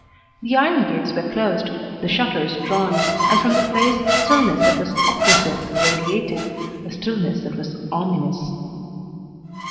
The iron gates were closed, the shutters drawn, and from the place stillness that was oppressive radiated, a stillness that was ominous.